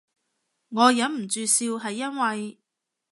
我忍唔住笑係因為